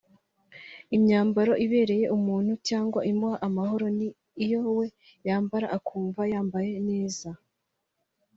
Imyambaro ibereye umuntu cyangwa imuha amahoro ni iyo we yambara akumva yambaye neza